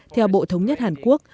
theo bộ thống nhất hàn quốc